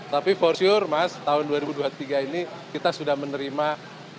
tapi for sure mas tahun dua ribu dua puluh tiga ini kita sudah menerima